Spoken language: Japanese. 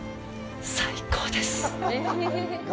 最高です。